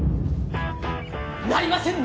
なりません！